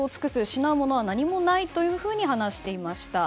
失うものは何もないと話していました。